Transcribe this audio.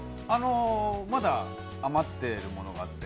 まだ余っているものがあって。